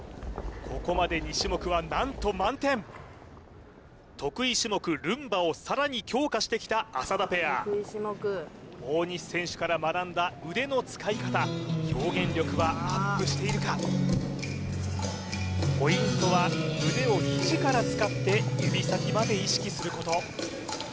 ここまで２種目は何と満点得意種目ルンバをさらに強化してきた浅田ペア大西選手から学んだ腕の使い方表現力はアップしているかポイントは腕を肘から使って指先まで意識すること